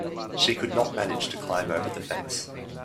She could not manage to climb over the fence.